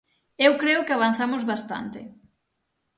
Eu creo que avanzamos bastante.